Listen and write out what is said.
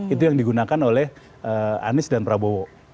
itu yang digunakan oleh anies dan prabowo